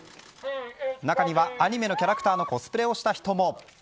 中にはアニメのキャラクターのコスプレをした人も。